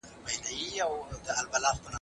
زه به سبا کالي وپرېولم!!